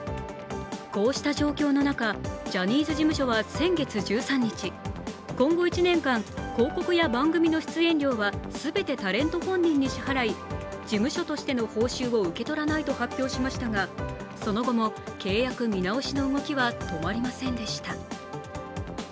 こうした状況の中、ジャニーズ事務所は先月１３日、今後１年間、広告や番組の出演料は全てタレント本人に支払い、事務所としての報酬を受け取らないと発表しましたが、その後も契約見直しの動きは止まりませんでした。